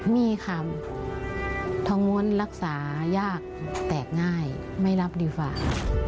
มีค่ะทองม้วนรักษายากแตกง่ายไม่รับดีกว่า